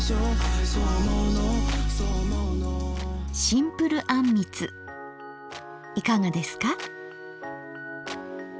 シンプルあんみついかがですか？